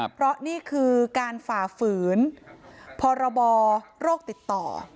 เพราะนี่คือการฝ่าฝืนพรบโรคติดต่อ